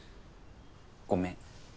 ごめん。